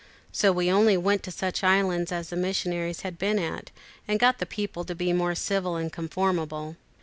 So we only went to such islands as the missionaries had been at, and got the people to be more civil and conformable."